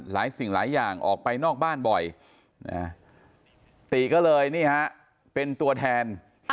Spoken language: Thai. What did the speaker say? สิ่งหลายอย่างออกไปนอกบ้านบ่อยตีก็เลยนี่ฮะเป็นตัวแทน